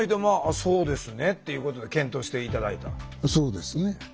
そうですよね。